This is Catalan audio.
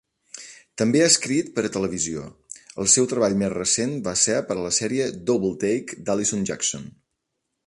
També ha escrit per a televisió; el seu treball més recent va ser per a la sèrie "Doubletake" d'Alison Jackson.